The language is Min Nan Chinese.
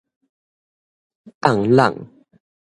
聬儱